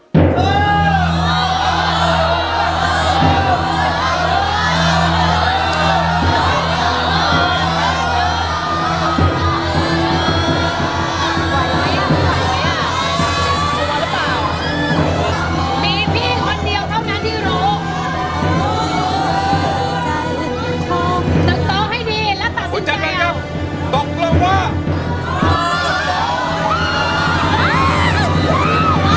เห็นไหมอ่ะสิมูลค่ะ